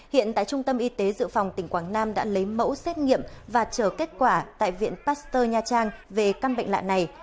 hiện tại trung tâm y tế dự phòng tỉnh quảng nam đã lấy mẫu xét nghiệm và chờ kết quả tại viện pasteur nha trang về căn bệnh lạ này